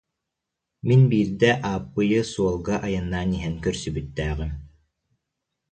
Мин биирдэ Ааппыйы суолга айаннаан иһэн көрсүбүттээҕим